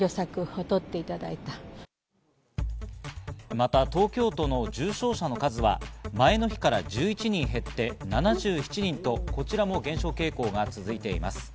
また東京都の重症者の数は前の日から１１人減って７７人とこちらも減少傾向が続いています。